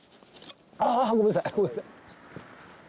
ああごめんなさいごめんなさい。